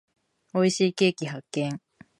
美味しいケーキ発見。